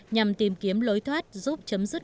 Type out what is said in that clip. nhằm tìm kiếm lối thoát giúp chấm dứt